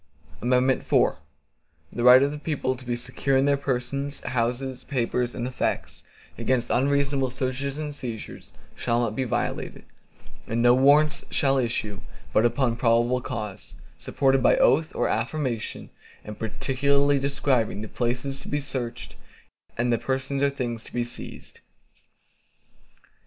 IV The right of the people to be secure in their persons, houses, papers, and effects, against unreasonable searches and seizures, shall not be violated, and no Warrants shall issue, but upon probable cause, supported by oath or affirmation, and particularly describing the place to be searched, and the persons or things to be seized.